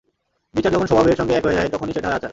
বিচার যখন স্বভাবের সঙ্গে এক হয়ে যায় তখনি সেটা হয় আচার।